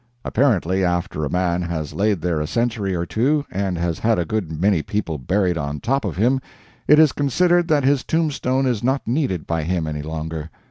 Apparently after a man has laid there a century or two, and has had a good many people buried on top of him, it is considered that his tombstone is not needed by him any longer.